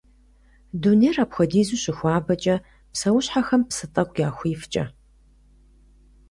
Дунейр апхуэдизу щыхуабэкӏэ, псэущхьэхэм псы тӏэкӏу яхуифкӏэ.